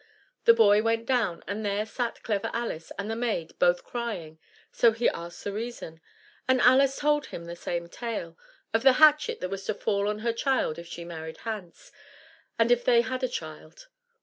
The boy went down, and there sat Clever Alice and the maid both crying, so he asked the reason; and Alice told him the same tale, of the hatchet that was to fall on her child, if she married Hans, and if they had a child.